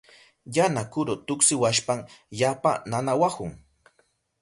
Yana kuru tuksiwashpan yapa nanawahun.